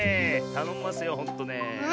たのんますよほんとねえ。